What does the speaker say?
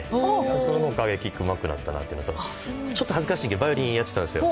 そのおかげでキックがうまくなったのとちょっと恥ずかしいんですけどバイオリンもやってたんですよ。